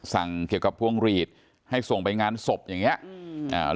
เกี่ยวกับพวงหลีดให้ส่งไปงานศพอย่างเงี้ยอืมอ่า